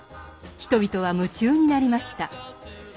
人々は夢中になりました。